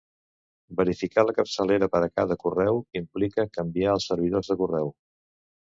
Verificar la capçalera per a cada correu implica canviar els servidors de correu.